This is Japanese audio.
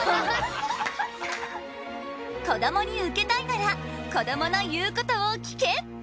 こどもにウケたいならこどもの言うことを聞け！